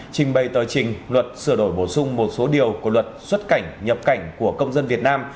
để đổi bổ sung một số điều của luật xuất cảnh nhập cảnh của công dân việt nam